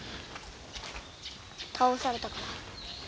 倒されたから。